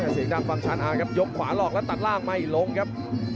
เสียงด้านฟังชันยกขวาหลอกแล้วตัดล่างไม่ลงครับ